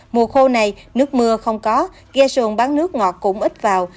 mùa khô này nước mưa không có ghe xuồng bán nước ngọt cũng ít vào